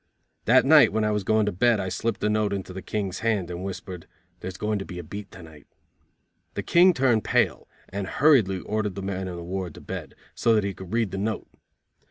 That night when I was going to bed I slipped the note into the Kings hand and whispered: "There's going to be a beat tonight." The King turned pale, and hurriedly ordered the men in the ward to bed, so that he could read the note.